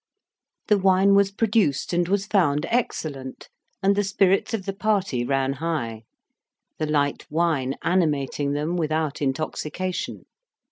The wine was produced, and was found excellent, and the spirits of the party ran high; the light wine animating them without intoxication.